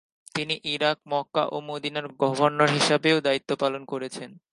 তিনি Iraq, Mecca ও মদিনার গভর্নর হিসেবেও দায়িত্বপালন করেছেন।